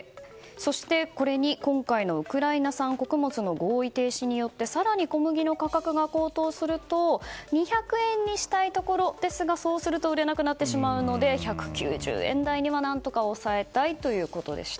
そして、これに今回のウクライナ産穀物の合意停止によって更に小麦の価格が高騰すると２００円にしたいところですがそうすると売れなくなってしまうので１９０円台に何とか抑えたいということでした。